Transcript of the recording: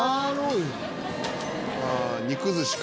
「あ肉寿司か」